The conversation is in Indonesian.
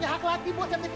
lala nggak boleh sedih